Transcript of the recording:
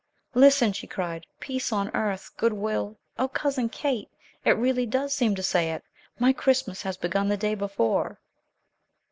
"Listen!" she cried. "Peace on earth, good will oh, Cousin Kate! It really does seem to say it! My Christmas has begun the day before."